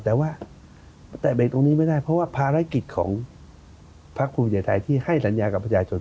แต่ว่าแตะเบรกตรงนี้ไม่ได้เพราะว่าภารกิจของพักภูมิใจไทยที่ให้สัญญากับประชาชน